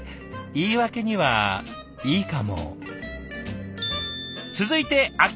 言い訳にはいいかも。